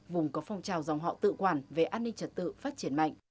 vùng có phong trào dòng họ tự quản về an ninh trật tự phát triển mạnh